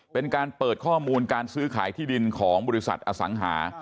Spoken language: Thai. เป็นการเปิดข้อมูลการซื้อขายที่ดินของบริษัทอสังหา